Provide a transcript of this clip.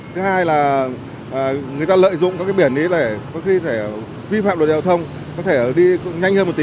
thứ hai là người ta lợi dụng các cái biển ấy để có khi phải vi phạm đồ đèo thông có thể đi nhanh hơn một tí